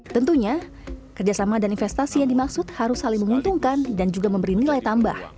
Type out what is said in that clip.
tentunya kerjasama dan investasi yang dimaksud harus saling menguntungkan dan juga memberi nilai tambah